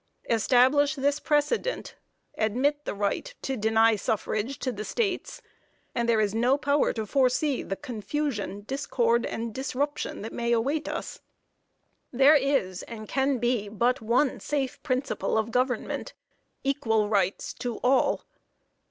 Establish this precedent, admit the right to deny suffrage to the states, and there is no power to foresee the confusion, discord and disruption that may await us. There is, and can be, but one safe principle of government equal rights to all.